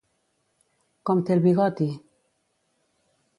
Com té el bigoti?